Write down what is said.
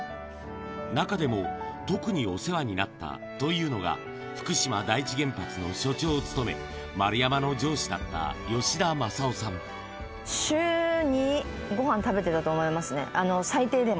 中でも特にお世話になったというのが、福島第一原発の所長を務め、週２、ごはん食べてたと思いますね、最低でも。